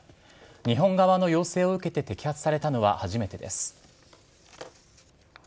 日本側の要請を受けて摘発されたのは初めてです。